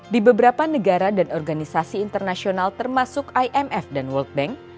di beberapa negara dan organisasi internasional termasuk imf dan world bank